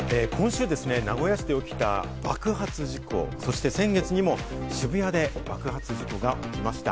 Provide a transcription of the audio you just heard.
今週、名古屋市で起きた爆発事故、そして先月にも渋谷で爆発事故が起きました。